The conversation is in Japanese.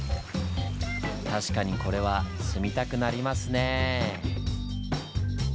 確かにこれは住みたくなりますねぇ。